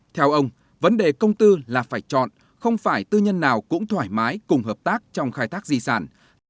theo ông vấn đề công tư là phải chọn không phải tư nhân nào cũng thoải mái cùng hợp tác trong khai thác di sản